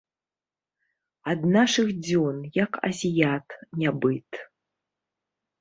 Ад нашых дзён, як азіят, нябыт.